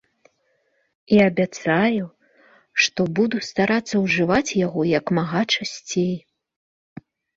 І абяцаю, што буду старацца ўжываць яго як мага часцей.